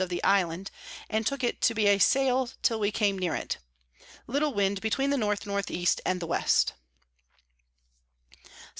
of the Island, and took it to be a Sail till we came near it. Little Wind between the N N E. and the West. _Sept.